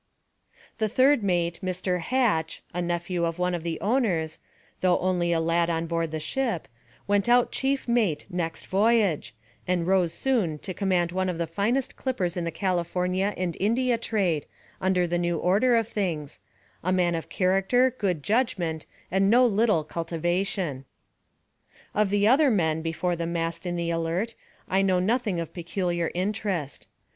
The third mate, Mr. Hatch, a nephew of one of the owners, though only a lad on board the ship, went out chief mate the next voyage, and rose soon to command some of the finest clippers in the California and India trade, under the new order of things, a man of character, good judgment, and no little cultivation. Of the other men before the mast in the Alert, I know nothing of peculiar interest.